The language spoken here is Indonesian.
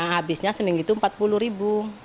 habisnya seminggu itu rp empat puluh ribu